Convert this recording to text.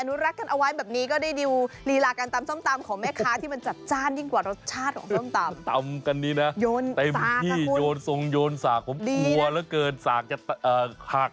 รักกันเอาไว้แบบนี้ก็ได้ดูลีลาการตำส้มตำของแม่ค้าที่มันจัดจ้านยิ่งกว่ารสชาติของส้มตำกันนี้